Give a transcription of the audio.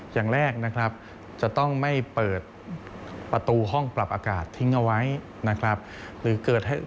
อย่างแรกจะต้องไม่เปิดประตูห้องปรับอากาศทิ้งไว้